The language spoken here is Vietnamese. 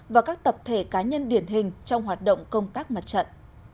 và các tập thể cá nhân điển hình trong hoạt động công tác mặt trận